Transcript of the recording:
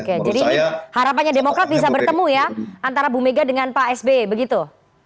oke jadi harapannya demokrat bisa bertemu ya antara bumega dengan pak sb begitu